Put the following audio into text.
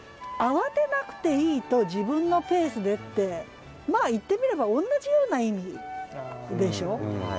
「慌てなくていい」と「自分のペースで」ってまあ言ってみればおんなじような意味でしょう？